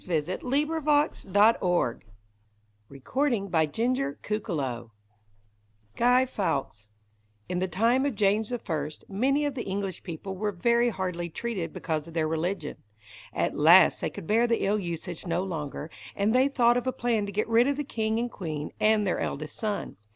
[Illustration: THE PILGRIM FATHERS ENTERING THE NEW WORLD] =Guy Fawkes= In the time of James I, many of the English people were very hardly treated because of their religion. At last they could bear the ill usage no longer, and they thought of a plan to get rid of the king and queen and their eldest son.